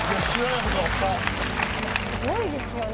いやすごいですよね。